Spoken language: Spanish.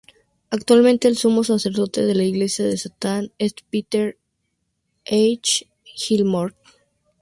Actualmente, el Sumo Sacerdote de la Iglesia de Satán es Peter H. Gilmore.